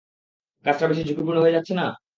কাজটা বেশি ঝুঁকিপূর্ণ হয়ে যাচ্ছে না?